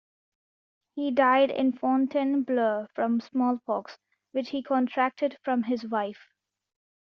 He died in Fontainebleau from smallpox, which he contracted from his wife.